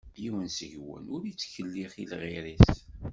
Yiwen seg-wen ur ittkellix i lɣir-is.